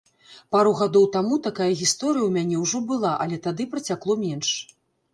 Пару гадоў таму такая гісторыя ў мяне ўжо была, але тады працякло менш.